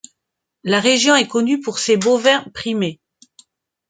La région est connue pour ses bovins primés.